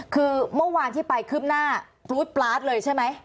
คือเมื่อวานที่ไปคืบหน้าปลู๊ดปลาดเลยใช่ไหม